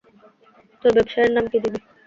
তোর ব্যবসার নাম কী দিবি?